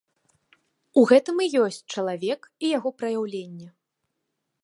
У гэтым і ёсць чалавек і яго праяўленне.